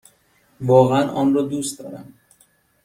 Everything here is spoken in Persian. واقعا آن را دوست دارم!